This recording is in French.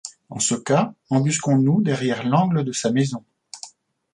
En ce cas, embusquons-nous derrière l’angle de sa maison.